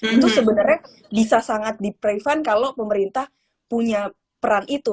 itu sebenernya bisa sangat di prevent kalo pemerintah punya peran itu